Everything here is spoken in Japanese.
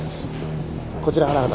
こちら花形。